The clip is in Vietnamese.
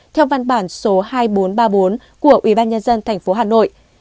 theo văn bản số hai nghìn bốn trăm ba mươi bốn của ủy ban nhân dân tp hà nội